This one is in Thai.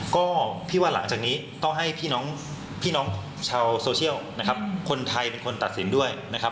ก็พี่ว่าหลังจากนี้ต้องให้พี่น้องพี่น้องชาวโซเชียลนะครับคนไทยเป็นคนตัดสินด้วยนะครับ